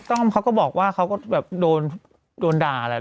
ต้อมเขาก็บอกว่าเขาก็แบบโดนด่าแล้ว